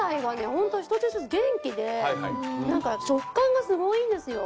ホント一つ一つ元気で何か食感がすごいんですよ。